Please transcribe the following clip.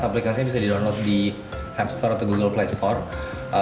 aplikasinya bisa di download di app store atau google play store